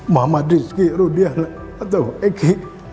muhammad rizky ibturudiana atau eki